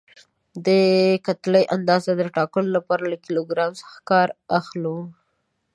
د کتلې اندازې د ټاکلو لپاره له کیلو ګرام څخه کار اخلو.